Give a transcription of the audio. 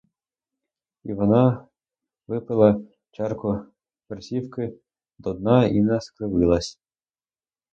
І вона випила чарку перцівки до дна і не скривилась.